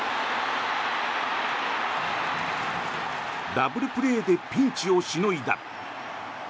ダブルプレーでピンチをしのいだ。